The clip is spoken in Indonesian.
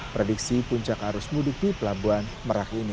prediksi puncak arus mudik di pelabuhan merak ini